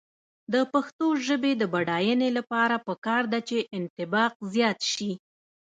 د پښتو ژبې د بډاینې لپاره پکار ده چې انطباق زیات شي.